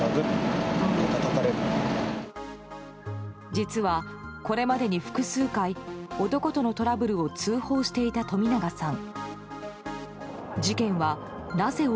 実は、これまでに複数回男とのトラブルを通報していた冨永さん。